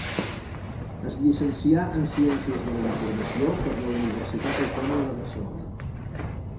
Es llicencià en Ciències de la Informació per la Universitat Autònoma de Barcelona.